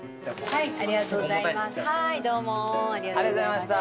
はいどうもありがとうございました。